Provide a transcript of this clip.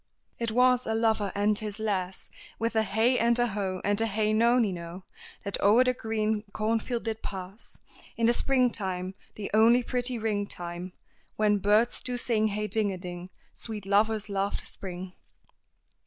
"It was a lover and his lass With a hey and a ho, and a hey nonino! That o'er the green cornfield did pass In the Spring time, the only pretty ring time, When birds do sing hey ding a ding, Sweet lovers love the Spring."